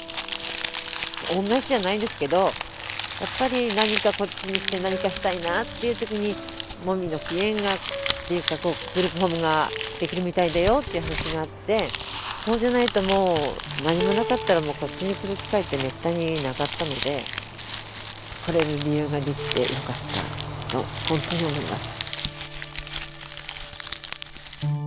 恩返しじゃないんですけどやっぱり何かこっちに来て何かしたいなっていう時にもみの木苑がっていうかグループホームができるみたいだよっていう話があってそうじゃないともう何もなかったらもうこっちに来る機会ってめったになかったので来れる理由ができてよかったと本当に思います。